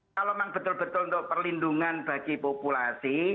kalau memang betul betul untuk perlindungan bagi populasi